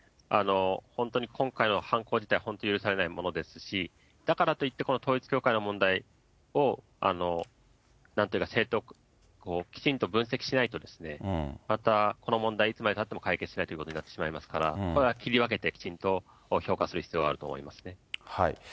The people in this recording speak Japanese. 本当に今回の犯行自体、本当許されないものですし、だからと言ってこの統一教会の問題をなんていうか、きちんと分析しないと、またこの問題、いつまでたっても解決しないということになってしまいますから、これは切り分けてきちんと評価する必要があると思います。